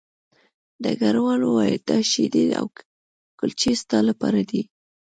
ډګروال وویل دا شیدې او کلچې ستا لپاره دي